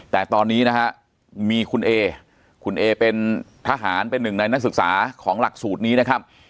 แต่ตอนนี้นะฮะมีคุณเอคุณเอเป็นทหารเป็นหนึ่งในนักศึกษาของหลักสูตรนี้นะครับ